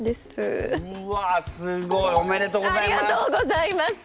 うわすごい！おめでとうございます！